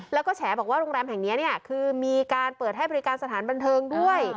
แล้วก็แฉบอกว่าโรงแรมแห่งนี้คือมีการเปิดให้บริการสถานบันเทิงด้วย